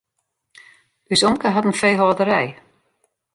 Us omke hat in feehâlderij.